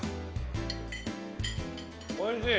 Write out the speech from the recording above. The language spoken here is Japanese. おいしい。